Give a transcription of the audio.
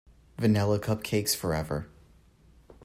Vanilla cupcakes forever.